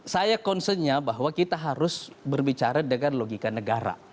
saya concernnya bahwa kita harus berbicara dengan logika negara